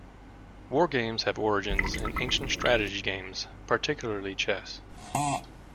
Wargames have origins in ancient strategy games, particularly Chess.